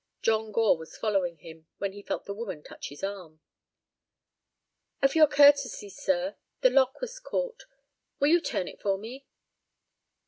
John Gore was following him, when he felt the woman touch his arm. "Of your curtesy, sir, the lock has caught; will you turn it for me?"